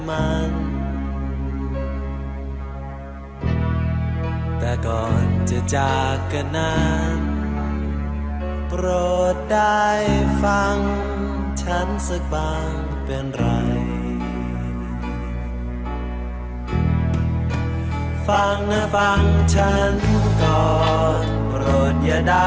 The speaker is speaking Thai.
งั้นเดี๋ยวกลับมาคงไม่ร้องห้ามนะ